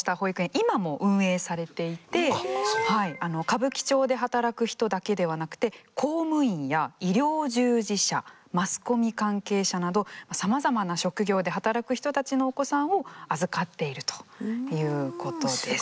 今も運営されていて歌舞伎町で働く人だけではなくて公務員や医療従事者マスコミ関係者などさまざまな職業で働く人たちのお子さんを預かっているということです。